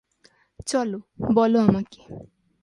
চলো, বলো আমাকে।